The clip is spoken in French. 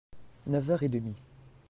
Neuf heures et demi.